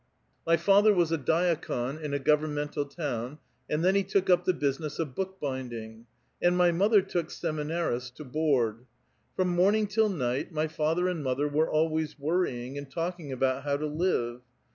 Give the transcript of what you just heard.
My father was a didkon in a governmental town, and then he took up the business of book binding ; and my mother took semi narists to board. From morning till night my father and mother were always worrying and talking about how to live.